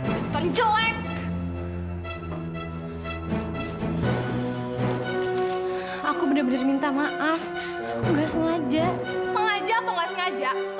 penonton jelek aku bener bener minta maaf enggak sengaja sengaja atau enggak sengaja